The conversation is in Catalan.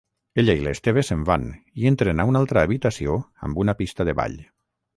Ella i l'Esteve se'n van i entren a una altra habitació amb una pista de ball.